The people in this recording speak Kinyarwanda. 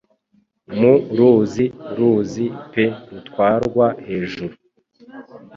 Mu ruzi-ruzi pe rutwarwa hejuru